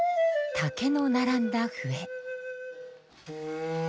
竹の並んだ笛。